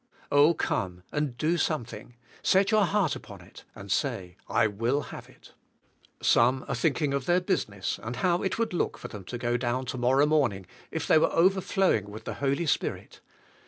Oh, come and do something. Set your heart upon it and say, I will have it. Some are thinking of their business and how it would look for them to go down tomorrow morning if they were overflowing with the Hol}^ Spirit.